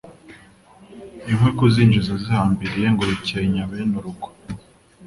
inkwi kuzinjiza zihambiriye ngo bikenya bene urugo